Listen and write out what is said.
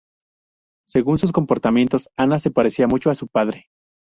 Según sus contemporáneos, Ana se parecía mucho a su padre.